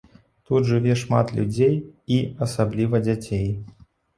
Тут жыве шмат людзей і асабліва дзяцей.